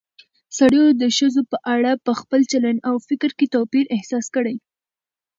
سړيو د ښځو په اړه په خپل چلن او فکر کې توپير احساس کړى